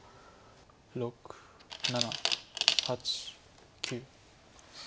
６７８９。